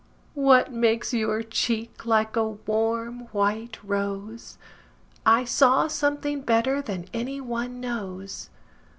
What makes your cheek like a warm white rose?I saw something better than any one knows.